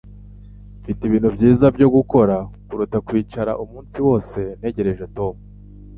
Mfite ibintu byiza byo gukora kuruta kwicara umunsi wose ntegereje Tom.